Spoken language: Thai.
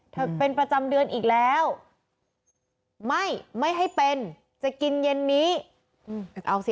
เป็นประจำเดือนอีกแล้วไม่ไม่ให้เป็นจะกินเย็นนี้เอาสิ